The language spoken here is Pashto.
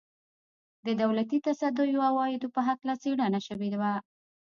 د دولتي تصدیو عوایدو په هکله څېړنه شوې وه.